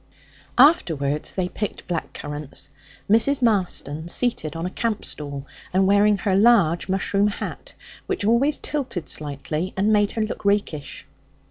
Afterwards they picked black currants, Mrs. Marston seated on a camp stool and wearing her large mushroom hat, which always tilted slightly and made her look rakish.